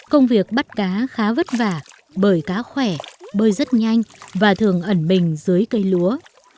công việc bắt cá khá vất vả bởi cá khỏe bơi rất nhanh và thường ẩn mình dưới cây lúa